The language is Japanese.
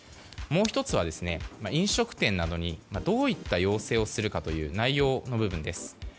もう１つは、飲食店などにどういった要請をするかという内容の部分です。